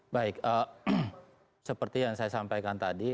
baik seperti yang saya sampaikan tadi